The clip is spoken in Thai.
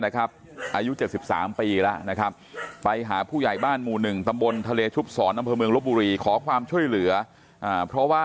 คุณแม่